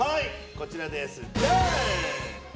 こちらです。